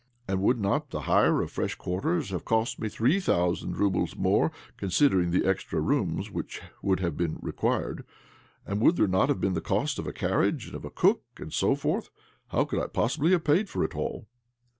And would not the hire of fresh quarters have cost me three thousand roubles more, considering' the extra rooms which would have been re quired ? And would there not have been the cost of a carriage, and of a cook, and so forth ? How could I possibly have paid for it all?"